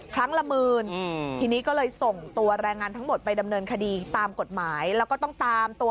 ครั้งละหมื่นทีนี้ก็เลยส่งตัวแรงงานทั้งหมดไปดำเนินคดีตามกฎหมายแล้วก็ต้องตามตัว